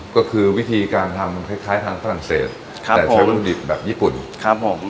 ก็คือวิธีการทำคล้ายทางฝรั่งเศสแต่ใช้วิวดิบแบบญี่ปุ่น